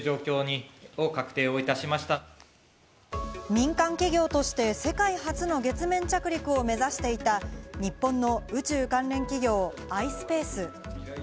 民間企業として世界初の月面着陸を目指していた日本の宇宙関連企業ｉｓｐａｃｅ。